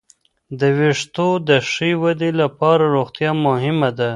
د وېښتو د ښې ودې لپاره روغتیا مهمه ده.